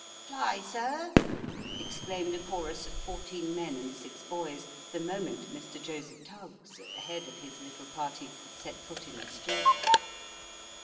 " Fly, sir ?" exclaimed a chorus of fourteen men and six boys, the moment Mr. Joseph Tuggs, at the head of his little party, set foot in the street.